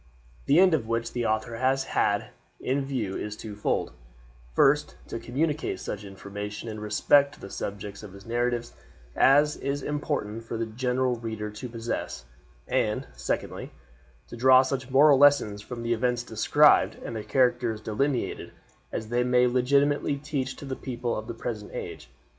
The end which the author has had in view is twofold: first, to communicate such information in respect to the subjects of his narratives as is important for the general reader to possess; and, secondly, to draw such moral lessons from the events described and the characters delineated as they may legitimately teach to the people of the present age.